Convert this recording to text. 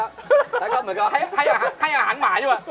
ให้หาของหมาใช่ไหม